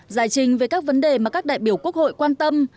giải trình về các vấn đề mà các đại biểu quốc hội quan tâm